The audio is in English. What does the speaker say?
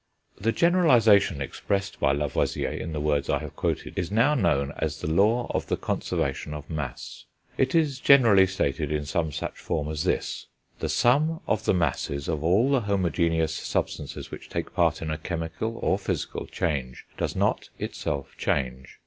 The generalisation expressed by Lavoisier in the words I have quoted is now known as the law of the conservation of mass; it is generally stated in some such form as this: the sum of the masses of all the homogeneous substances which take part in a chemical (or physical) change does not itself change.